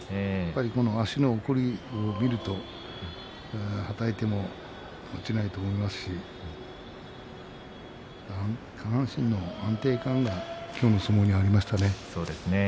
この足を見るとはたいても落ちないと思いますし下半身の安定感が相撲にありましたね。